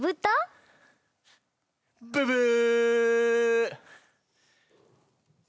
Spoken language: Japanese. ブブー。